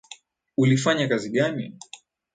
Ulifanya kazi gani?